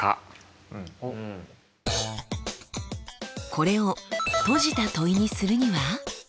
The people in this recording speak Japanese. これを閉じた問いにするには？